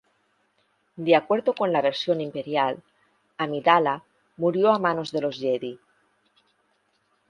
De acuerdo con la versión imperial, "Amidala" murió a manos de los Jedi.